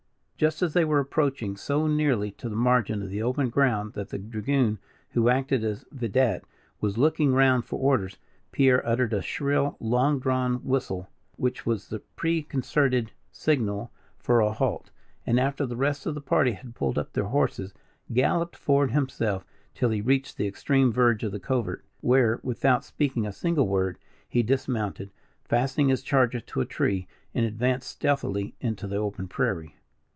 Just as they were approaching so nearly to the margin of the open ground, that the dragoon, who acted as vidette, was looking round for orders, Pierre uttered a shrill, long drawn whistle, which was the preconcerted signal for a halt; and, after the rest of the party had pulled up their horses, galloped forward himself till he reached the extreme verge of the covert, where, without speaking a single word, he dismounted, fastening his charger to a tree, and advanced stealthily into the open prairie.